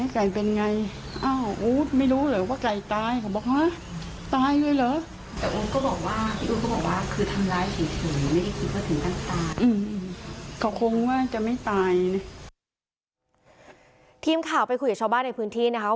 ทีมข่าวไปคุยกับชาวบ้านในพื้นที่นะคะ